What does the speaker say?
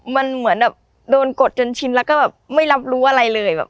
มันเหมือนโดนกดจนชินแล้วก็ไม่รับรู้อะไรเลย